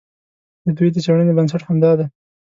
د دوی د څېړنې بنسټ همدا دی.